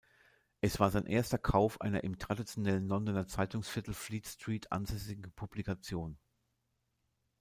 Es war sein erster Kauf einer im traditionellen Londoner Zeitungsviertel Fleet Street ansässigen Publikation.